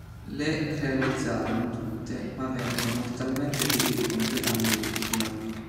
Le realizzarono tutte, ma vennero mortalmente feriti completando l'ultima.